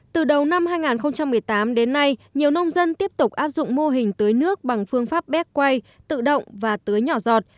từ đầu năm hai nghìn một mươi tám đến nay nhiều nông dân tiếp tục áp dụng mô hình tưới nước bằng phương pháp bét quay tự động và tưới nhỏ giọt